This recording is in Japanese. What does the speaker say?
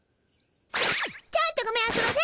ちょっとごめんあそばせ！